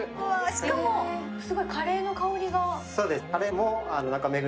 しかも、すごいカレーの香りが。